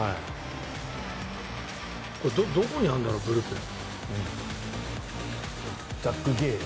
これどこにあるんだろうブルペン。